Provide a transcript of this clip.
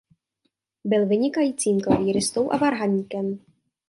Byl vynikajícím klavíristou a varhaníkem.